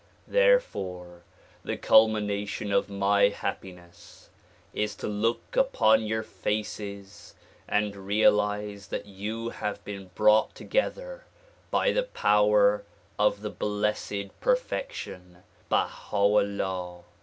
Therefore the culmination of my happiness is to look upon your faces and realize that you have been brought together by the power of the Blessed Perfection Baiia 'Ullah.